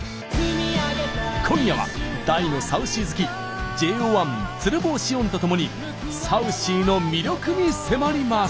今夜は、大のサウシー好きＪＯ１・鶴房汐恩とともにサウシーの魅力に迫ります。